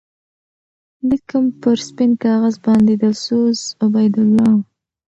لیکم پر سپین کاغذ باندی دلسوز عبیدالله